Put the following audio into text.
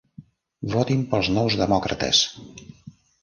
Votin pels Nous Demòcrates!